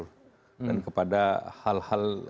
dan kepada hal hal